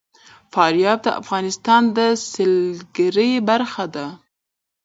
فاریاب د افغانستان د سیلګرۍ برخه ده.